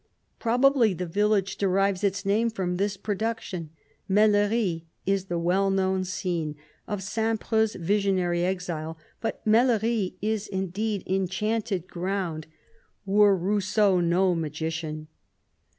Probably the village de rives its name from this production. Mellerie is the well known scene of St. Preux's visionary exile; but Mellerie is indeed inchanted ground, were Rousseau no magician.